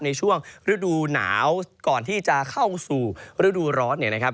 ในช่วงฤดูหนาวก่อนที่จะเข้าสู่ฤดูร้อนเนี่ยนะครับ